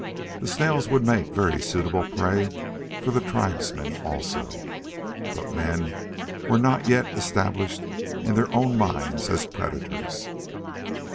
The snails would make very suitable prey for the tribesmen also. But men were not yet established in their own minds as predators.